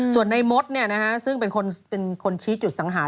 ส่วนในมดซึ่งเป็นคนชี้จุดสังหาร